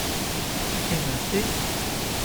Imensi!